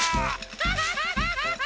ハハハハハハ！